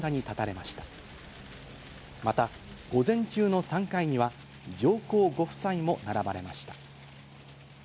また、午前中の３回には、上皇ご夫妻も並ばれました。